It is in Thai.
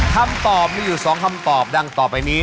คำตอบนี่อยู่สองคำตอบดันตอบไว้นี้